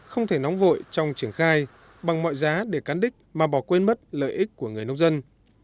không thể nóng vội trong triển khai bằng mọi giá để cán đích mà bỏ quên mất lợi ích của người nông dân